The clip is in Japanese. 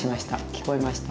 聞こえました。